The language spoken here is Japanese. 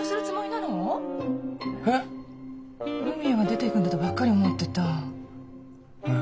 文也が出ていくんだとばっかり思ってた。